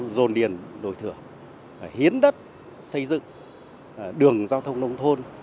dồn điền đổi thưởng hiến đất xây dựng đường giao thông nông thôn